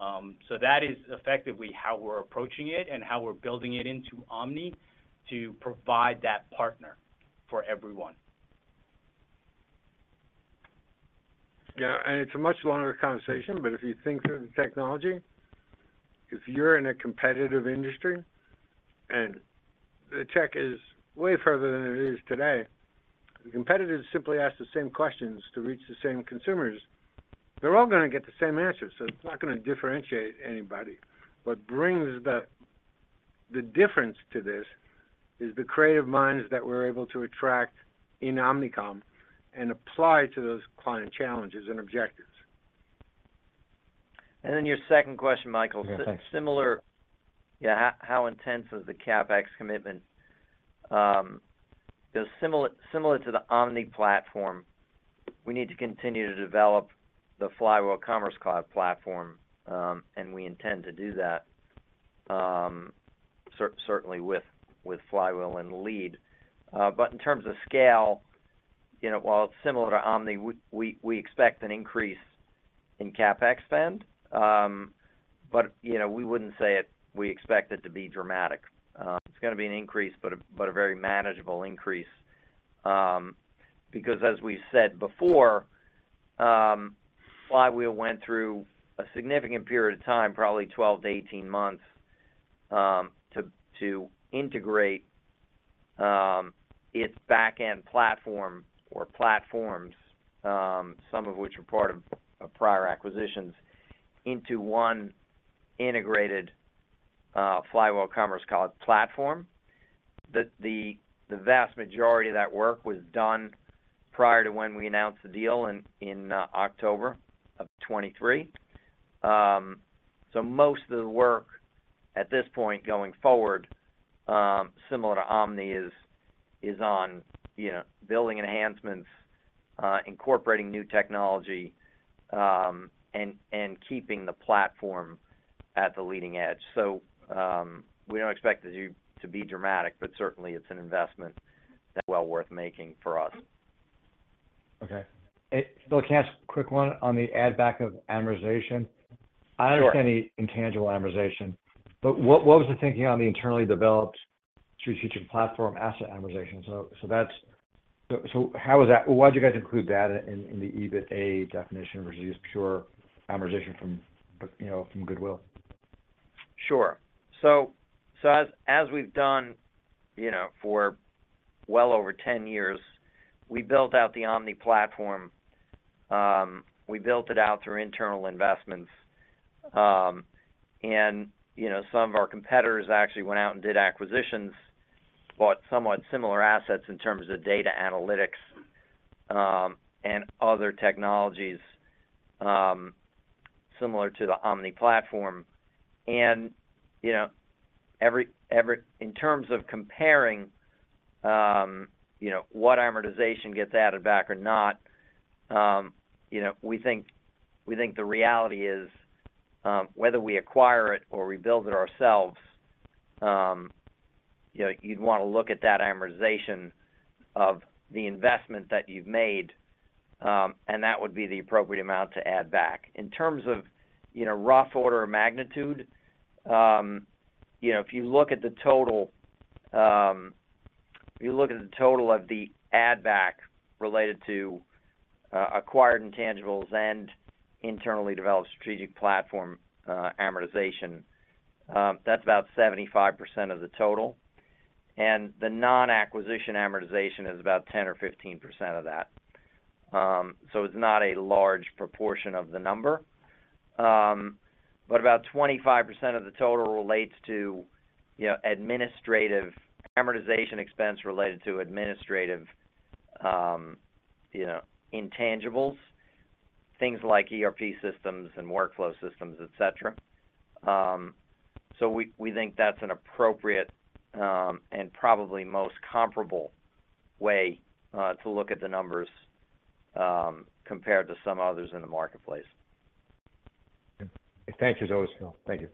That is effectively how we're approaching it and how we're building it into Omni to provide that partner for everyone. Yeah, and it's a much longer conversation, but if you think through the technology, if you're in a competitive industry and the tech is way further than it is today, the competitors simply ask the same questions to reach the same consumers. They're all gonna get the same answers, so it's not gonna differentiate anybody. What brings the difference to this is the creative minds that we're able to attract in Omnicom and apply to those client challenges and objectives. Then your second question, Michael- Yeah, thanks. Similar. Yeah, how intense is the CapEx commitment? So similar to the Omni platform, we need to continue to develop the Flywheel Commerce Cloud platform, and we intend to do that certainly with Flywheel and in the lead. But in terms of scale, you know, we expect an increase in CapEx spend. But you know, we wouldn't say it we expect it to be dramatic. It's gonna be an increase, but a very manageable increase. Because as we said before, Flywheel went through a significant period of time, probably 12-18 months, to integrate its back-end platform or platforms, some of which were part of prior acquisitions, into one integrated Flywheel Commerce Cloud platform. The vast majority of that work was done prior to when we announced the deal in October of 2023. So most of the work at this point going forward, similar to Omni, is on, you know, building enhancements, incorporating new technology, and keeping the platform at the leading edge. So we don't expect it to be dramatic, but certainly it's an investment that's well worth making for us. Okay. Philip got a, quick one on the add back of amortization? Sure. I understand the intangible amortization, but what was the thinking on the internally developed strategic platform asset amortization? So how is that? Why'd you guys include that in the EBITDA definition versus just pure amortization from, you know, from goodwill? Sure. So as we've done, you know, for well over 10 years, we built out the Omni platform. We built it out through internal investments. And, you know, some of our competitors actually went out and did acquisitions, bought somewhat similar assets in terms of data analytics, and other technologies, similar to the Omni platform. And, you know, in terms of comparing, you know, what amortization gets added back or not, you know, we think the reality is, whether we acquire it or we build it ourselves, you know, you'd want to look at that amortization of the investment that you've made.... and that would be the appropriate amount to add back. In terms of, you know, rough order of magnitude, you know, if you look at the total, if you look at the total of the add back related to, acquired intangibles and internally developed strategic platform, amortization, that's about 75% of the total, and the non-acquisition amortization is about 10% or 15% of that. So it's not a large proportion of the number, but about 25% of the total relates to, you know, administrative amortization expense related to administrative, you know, intangibles, things like ERP systems and workflow systems, et cetera. So we, we think that's an appropriate, and probably most comparable way, to look at the numbers, compared to some others in the marketplace. Thank you, as always, Philip. Thank you.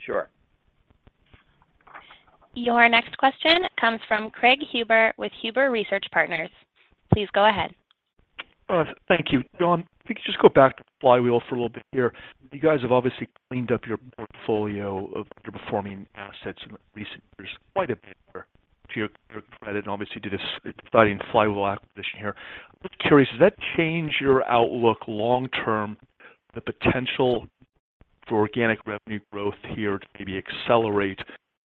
Sure. Your next question comes from Craig Huber with Huber Research Partners. Please go ahead. Thank you. John, if you could just go back to Flywheel for a little bit here. You guys have obviously cleaned up your portfolio of underperforming assets in recent years, quite a bit, to your, your credit, and obviously did an exciting Flywheel acquisition here. I'm curious, does that change your outlook long term, the potential for organic revenue growth here to maybe accelerate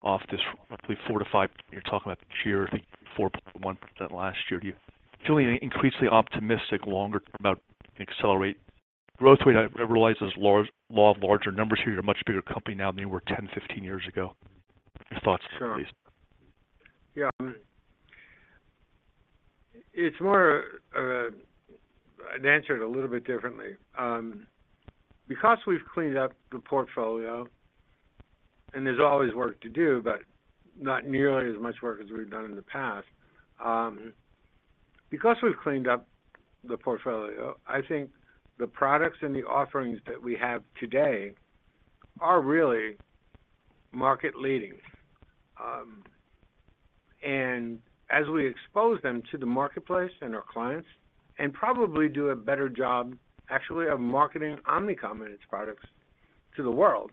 off this roughly 4%-5%? You're talking about this year, I think 4.1% last year. Do you feel any increasingly optimistic longer term about accelerate growth rate? I realize there's a lot of larger numbers here. You're a much bigger company now than you were 10, 15 years ago. Your thoughts, please. Yeah. It's more of, I'd answer it a little bit differently. Because we've cleaned up the portfolio, and there's always work to do, but not nearly as much work as we've done in the past. Because we've cleaned up the portfolio, I think the products and the offerings that we have today are really market-leading. And as we expose them to the marketplace and our clients, and probably do a better job, actually, of marketing Omnicom and its products to the world,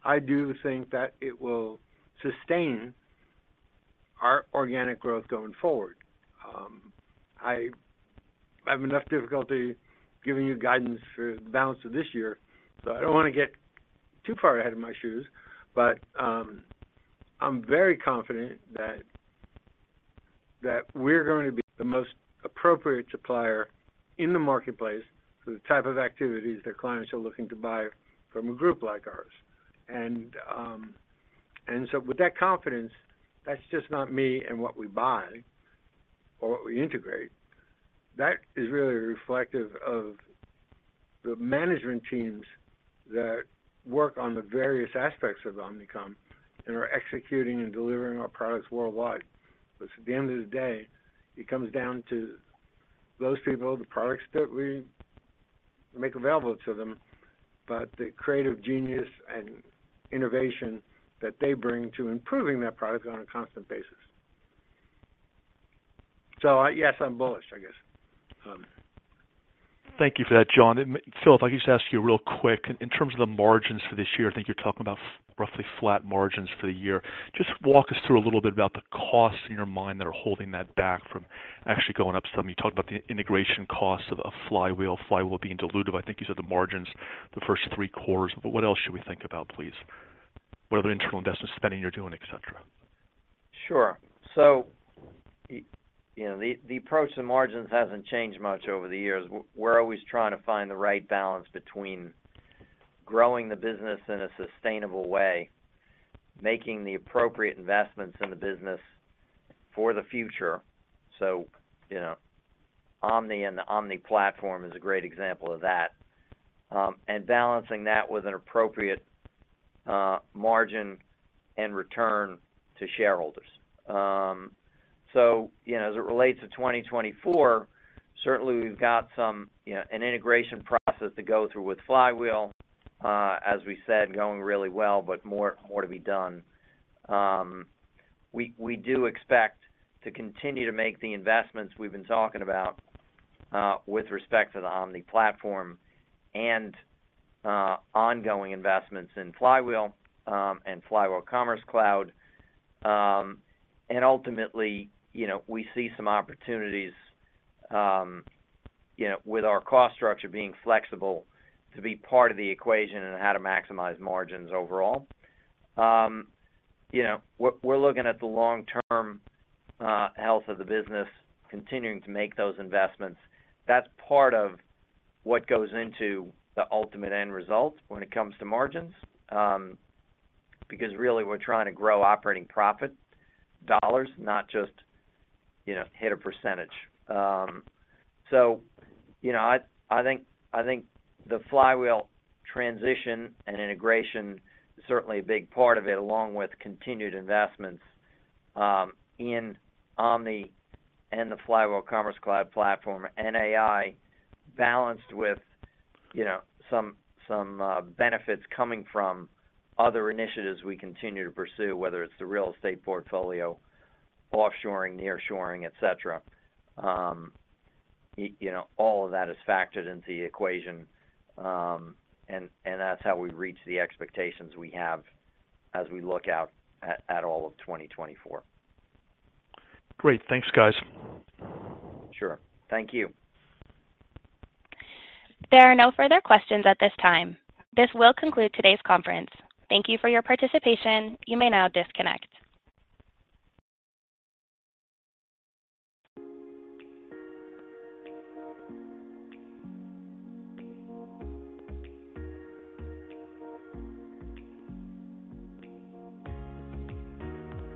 I do think that it will sustain our organic growth going forward. I, I have enough difficulty giving you guidance for the balance of this year, so I don't want to get too far ahead of my shoes. But, I'm very confident that we're going to be the most appropriate supplier in the marketplace for the type of activities that clients are looking to buy from a group like ours. And so with that confidence, that's just not me and what we buy or what we integrate. That is really reflective of the management teams that work on the various aspects of Omnicom and are executing and delivering our products worldwide. Because at the end of the day, it comes down to those people, the products that we make available to them, but the creative genius and innovation that they bring to improving that product on a constant basis. So, yes, I'm bullish, I guess. Thank you for that, John. And Philip, if I could just ask you real quick, in terms of the margins for this year, I think you're talking about roughly flat margins for the year. Just walk us through a little bit about the costs in your mind that are holding that back from actually going up. So you talked about the integration costs of a Flywheel, Flywheel being dilutive. I think you said the margins, the first three quarters, but what else should we think about, please? What other internal investment spending you're doing, et cetera? Sure. So, you know, the approach to margins hasn't changed much over the years. We're always trying to find the right balance between growing the business in a sustainable way, making the appropriate investments in the business for the future. So, you know, Omni and the Omni platform is a great example of that, and balancing that with an appropriate margin and return to shareholders. So you know, as it relates to 2024, certainly we've got some, you know, an integration process to go through with Flywheel, as we said, going really well, but more to be done. We do expect to continue to make the investments we've been talking about, with respect to the Omni platform and ongoing investments in Flywheel, and Flywheel Commerce Cloud. And ultimately, you know, we see some opportunities, you know, with our cost structure being flexible to be part of the equation and how to maximize margins overall. You know, we're looking at the long-term health of the business, continuing to make those investments. That's part of what goes into the ultimate end result when it comes to margins, because really, we're trying to grow operating profit dollars, not just, you know, hit a percentage. So, you know, I think the Flywheel transition and integration is certainly a big part of it, along with continued investments in Omni and the Flywheel Commerce Cloud platform, and AI balanced with, you know, some benefits coming from other initiatives we continue to pursue, whether it's the real estate portfolio, offshoring, nearshoring, et cetera. You know, all of that is factored into the equation, and that's how we reach the expectations we have as we look out at all of 2024. Great. Thanks, guys. Sure. Thank you. There are no further questions at this time. This will conclude today's conference. Thank you for your participation. You may now disconnect.